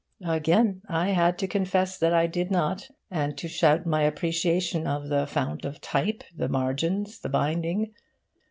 Again I had to confess that I did not, and to shout my appreciation of the fount of type, the margins, the binding.